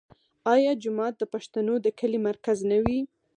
آیا جومات د پښتنو د کلي مرکز نه وي؟